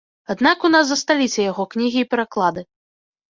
Аднак у нас засталіся яго кнігі і пераклады.